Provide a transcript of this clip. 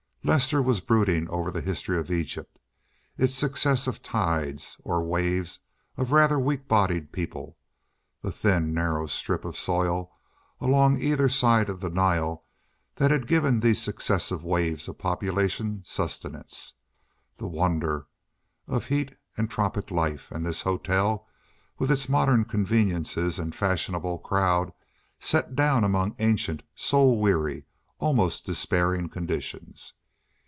Lester was brooding over the history of Egypt, its successive tides or waves of rather weak bodied people; the thin, narrow strip of soil along either side of the Nile that had given these successive waves of population sustenance; the wonder of heat and tropic life, and this hotel with its modern conveniences and fashionable crowd set down among ancient, soul weary, almost despairing conditions.